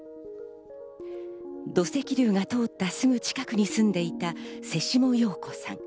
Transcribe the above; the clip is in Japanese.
土石流が通ったすぐ近くに住んでいた瀬下陽子さん。